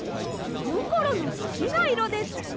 よころのすきないろです！